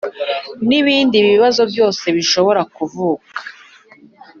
n ibindi bibazo byose bishobora kuvuka